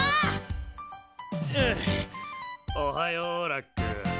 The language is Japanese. ああおはようラック。